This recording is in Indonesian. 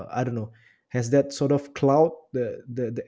saya tidak tahu apakah itu